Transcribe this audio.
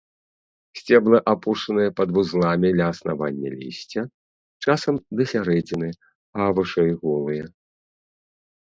Сцеблы апушаныя пад вузламі ля аснавання лісця, часам да сярэдзіны, а вышэй голыя.